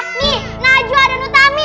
nih najwa dan utami